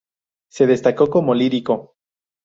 Se destacó como lírico.